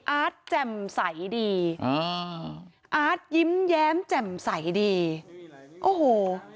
อาร์ตแจ่มใสดีอ่าอาร์ตยิ้มแย้มแจ่มใสดีโอ้โห